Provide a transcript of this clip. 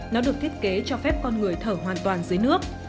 nó được thiết kế cho phép con người thở hoàn toàn dưới nước